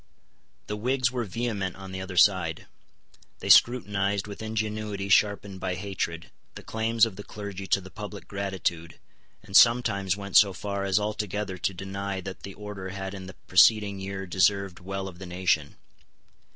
The Whigs were vehement on the other side. They scrutinised, with ingenuity sharpened by hatred, the claims of the clergy to the public gratitude, and sometimes went so far as altogether to deny that the order had in the preceding year deserved well of the nation.